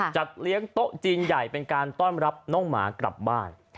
จัดเลี้ยงโต๊ะจีนใหญ่เป็นการต้อนรับน้องหมากลับบ้าน